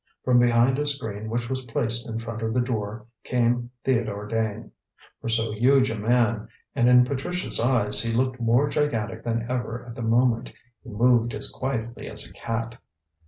From behind a screen which was placed in front of the door came Theodore Dane. For so huge a man and in Patricia's eyes he looked more gigantic than ever at the moment he moved as quietly as a cat.